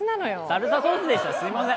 サルサソースでした、すみません。